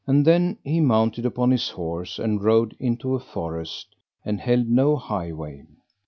And then mounted upon his horse, and rode into a forest, and held no highway.